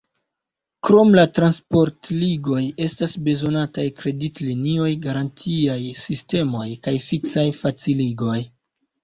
Krom la transportligoj estas bezonataj kreditlinioj, garantiaj sistemoj kaj fiskaj faciligoj.